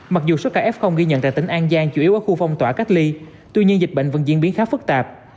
mặc dù số ca f ghi nhận tại tỉnh an giang chủ yếu ở khu phong tỏa cách ly tuy nhiên dịch bệnh vẫn diễn biến khá phức tạp